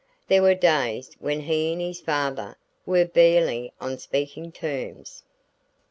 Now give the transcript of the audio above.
There were days when he and his father were barely on speaking terms.